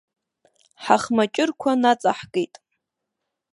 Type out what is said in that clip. Ҳахмаҷырқәа наҵаҳкит.